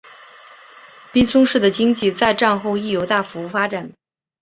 滨松市的经济在战后亦有大幅发展。